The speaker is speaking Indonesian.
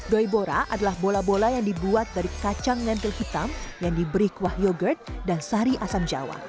doibora adalah bola bola yang dibuat dari kacang ngempil hitam yang diberi kuah yogurt dan sari asam jawa